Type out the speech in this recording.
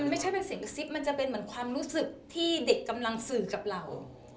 ไม่ใช่เป็นเสียงกระซิบมันจะเป็นเหมือนความรู้สึกที่เด็กกำลังสื่อกับเรา